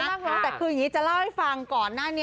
แต่คืออย่างนี้จะเล่าให้ฟังก่อนหน้านี้